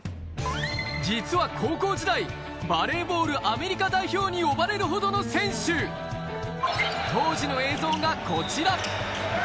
実は高校時代バレーボールアメリカ代表に呼ばれるほどの選手当時の映像がこちら！